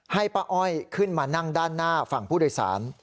ให้ป้าอ้อยขึ้นมานั่งด้านหน้าฝั่งผู้โดยสาร